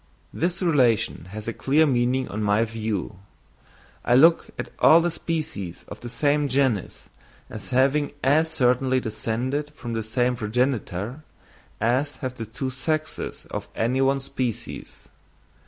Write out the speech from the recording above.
This relation has a clear meaning on my view: I look at all the species of the same genus as having as certainly descended from the same progenitor, as have the two sexes of any one species.